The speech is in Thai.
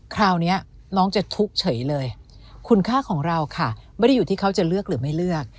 คราวนี้น้องจะทุกข์เฉยเลยคุณค่าของเราค่ะไม่ได้อยู่ที่เขาจะเลือกหรือไม่เลือก